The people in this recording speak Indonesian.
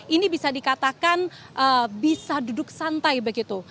ini bisa dikatakan bisa duduk santai begitu